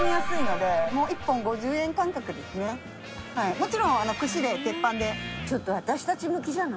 もちろん串で鉄板で。